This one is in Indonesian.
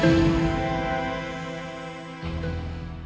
jadi berbentuk cewe lort